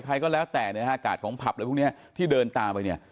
ใครก็แล้วแต่เนี่ยฮะกาดของผับอะไรพวกนี้ที่เดินตามไปเนี่ย